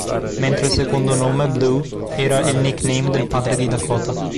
Mentre il secondo nome, "Blue", era il nickname del padre di Dakota.